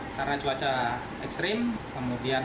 karena cuaca ekstrim kemudian